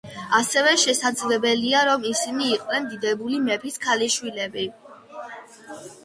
ასევე შესაძლებელია, რომ ისინი იყვნენ დიდებული მეფის ქალიშვილები.